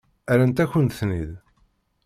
Rran-akent-ten-id?